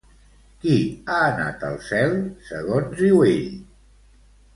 Qui ha anat al cel, segons diu ell?